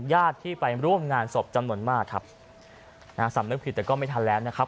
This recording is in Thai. ญาติที่ไปร่วมงานศพจำนวนมากครับนะฮะสำนึกผิดแต่ก็ไม่ทันแล้วนะครับ